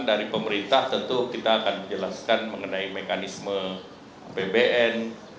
dari pemerintah tentu kita akan menjelaskan mengenai mekanisme apbn